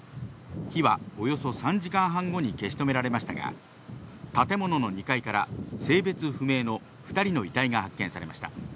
火はおよそ３時間半後に消し止められましたが、建物の２階から性別不明の２人の遺体が発見されました。